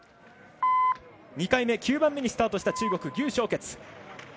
２回目、９番目にスタートした中国、牛少傑。